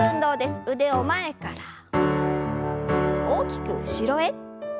腕を前から大きく後ろへ。